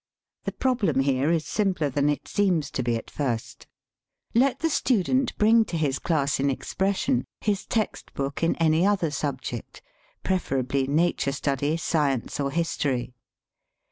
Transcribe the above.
The problem here is simpler than it seems to be at first. Let the student bring to his class in Ex pression his text book in any other subject, preferably Nature Study, Science, or History.